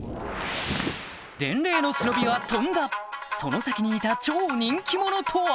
伝令の忍びは飛んだその先にいた超人気者とは？